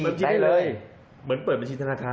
เปิดที่นี่ได้เลยเหมือนเปิดบัญชีธนาคาร